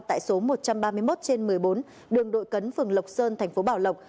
tại số một trăm ba mươi một trên một mươi bốn đường đội cấn phường lộc sơn thành phố bảo lộc